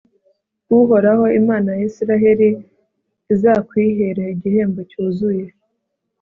uhoraho imana ya israheli azakwihere igihembo cyuzuye